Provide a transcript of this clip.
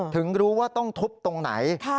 ถึงรู้ว่าต้องทุบตรงไหน